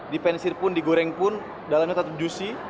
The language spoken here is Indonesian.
dipensir pun digoreng pun dalamnya tetap juicy